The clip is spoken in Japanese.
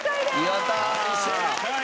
やったー！